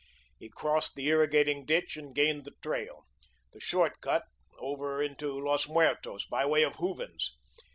He crossed the irrigating ditch and gained the trail the short cut over into Los Muertos, by way of Hooven's.